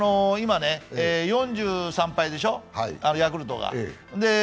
今、４３敗でしょ、ヤクルトが。